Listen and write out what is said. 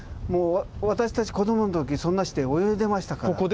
もう私たち子どもの時そんなして泳いでましたから。